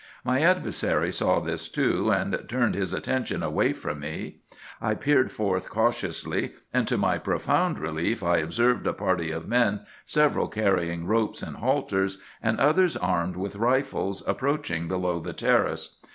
My adversary saw this, too, and turned his attention away from me. I peered forth cautiously, and to my profound relief I observed a party of men, several carrying ropes and halters, and others armed with rifles, approaching below the terrace.